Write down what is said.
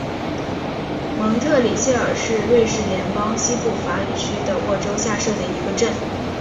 蒙特里谢尔是瑞士联邦西部法语区的沃州下设的一个镇。